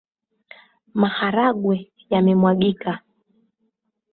Maharagwe yamemwagika